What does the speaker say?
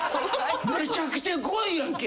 めちゃくちゃ怖いやんけ！